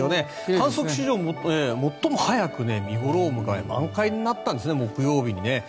観測史上最も早く見ごろを迎え満開になったんです木曜日に。